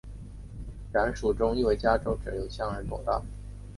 然蜀中亦为嘉州者有香而朵大。